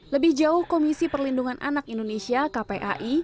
lebih jauh komisi perlindungan anak indonesia kpai